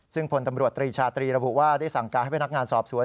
ซึ่งพลตำรวจตรีชาตรีระบุว่าได้สั่งการให้พนักงานสอบสวน